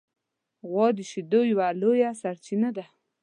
غوا د شیدو یوه لویه سرچینه ده.